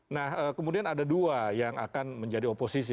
nah kemudian ada dua yang akan menjadi oposisi